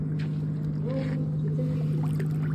ګورو چې څه کېږي.